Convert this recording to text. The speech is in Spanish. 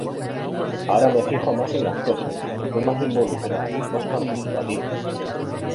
Ahora me fijo más en las cosas, estoy más involucrada, más participativa".